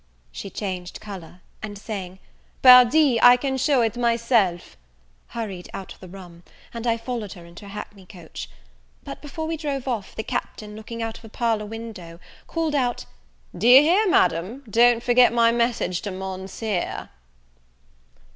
She changed colour, and saying, "Pardi, I can shew it myself," hurried out of the room, and I followed her into a hackney coach. But, before we drove off, the Captain, looking out of the parlour window, called out "D'ye hear, Madam, don't forget my message to Monseer."